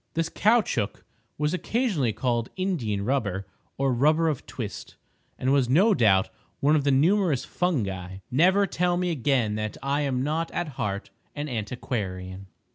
This caoutchouc was occasionally called Indian rubber or rubber of twist, and was no doubt one of the numerous fungi. Never tell me again that I am not at heart an antiquarian.